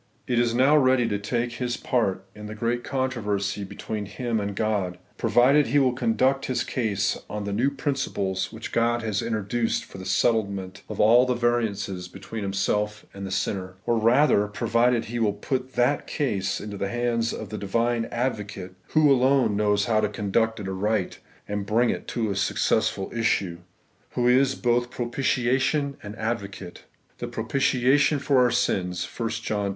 It is now ready to take his part in the great controversy between him and God, provided he will conduct his case on the new principles which God has introduced for the settle ment of all variances between Himself and the sinner; or rather, provided he will put that case into the hands of the Divine Advocate, who alone knows how to conduct it aright, and to bring it to a successful issue, — who is both * propitiation * and * Advocate,' — the ' propitiation for our sins * (1 John ii.